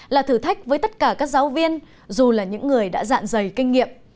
là thử thách với tất cả các giáo viên dù là những người đã dạng dày kinh nghiệm